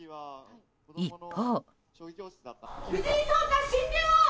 一方。